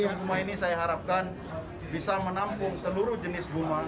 museum guma ini saya harapkan bisa menampung seluruh jenis guma